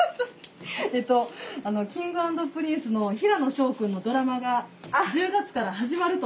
えっとあのＫｉｎｇ＆Ｐｒｉｎｃｅの平野紫耀くんのドラマが１０月から始まると。